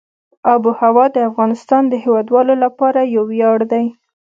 آب وهوا د افغانستان د هیوادوالو لپاره یو ویاړ دی.